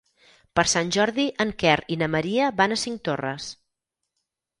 Per Sant Jordi en Quer i na Maria van a Cinctorres.